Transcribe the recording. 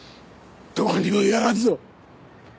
どこにもやらんぞ！